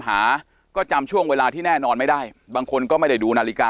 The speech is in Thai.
หาก็จำช่วงเวลาที่แน่นอนไม่ได้บางคนก็ไม่ได้ดูนาฬิกา